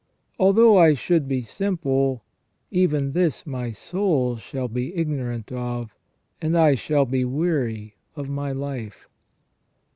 Although I should be simple, even this my soul shall be ignorant of, and I shall be weary of my life."